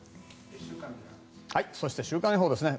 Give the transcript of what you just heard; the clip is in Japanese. そして、週間予報ですね。